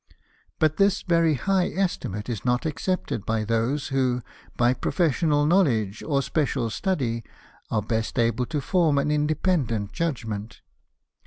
But this very high PREFACE. ix estimate is not accepted by those who, by professional knowledge or special study, are best able to form an independent judgment.